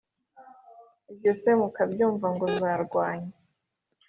ibyo se mukabyumva ngo zarwanye.